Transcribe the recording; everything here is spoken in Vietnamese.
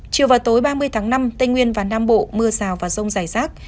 chiều và tối ba mươi tháng năm tây nguyên và nam bộ mưa rào và rông rải rác